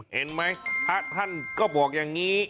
เห็นไหมพระท่านก็บอกอย่างนี้